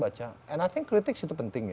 baca sering sering baca